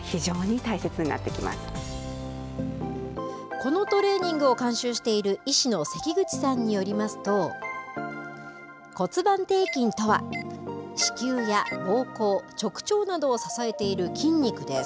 このトレーニングを監修している医師の関口さんによりますと、骨盤底筋とは、子宮やぼうこう、直腸などを支えている筋肉です。